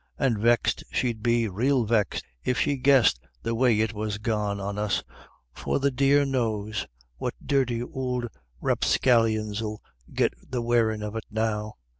And vexed she'd be, rael vexed, if she guessed the way it was gone on us, for the dear knows what dirty ould rapscallions 'ill get the wearin' of it now.